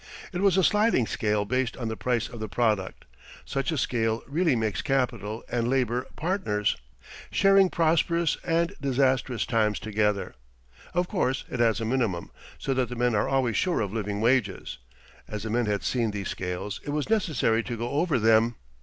It was a sliding scale based on the price of the product. Such a scale really makes capital and labor partners, sharing prosperous and disastrous times together. Of course it has a minimum, so that the men are always sure of living wages. As the men had seen these scales, it was unnecessary to go over them.